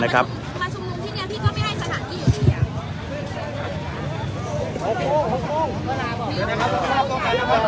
พี่ยันไม่รู้ไหม